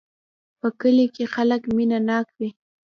په کلي کې خلک مینه ناک وی